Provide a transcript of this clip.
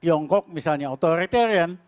tiongkok misalnya authoritarian